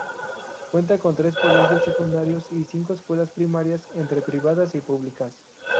Cuenta con tres colegios secundarios y cinco escuelas primarias, entre privadas y públicas.